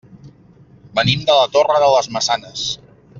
Venim de la Torre de les Maçanes.